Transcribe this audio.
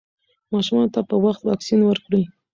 ماشومانو ته په وخت واکسین ورکړئ.